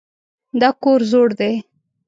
دا کور زوړ دی.